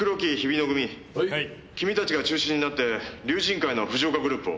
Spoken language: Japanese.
君たちが中心になって竜神会の藤岡グループを。